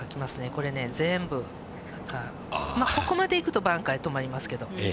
ここまでいくとバンカーで止まりますけども。